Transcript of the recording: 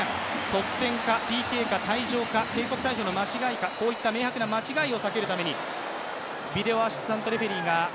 得点か、ＰＫか、警告か、警告退場か、こういった明白な間違いを避けるためビデオ・アシスタント・レフェリーが。